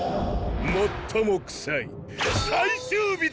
最も臭い最臭日だ！